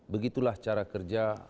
begitulah cara kerja